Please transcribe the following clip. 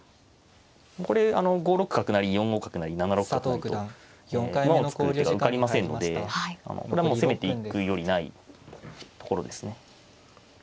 これ５六角成４五角成７六角成と馬を作る手が受かりませんのでこれはもう攻めていくよりないところですね。